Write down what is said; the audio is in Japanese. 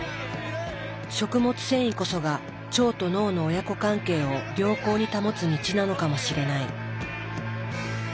食物繊維こそが腸と脳の親子関係を良好に保つ道なのかもしれない。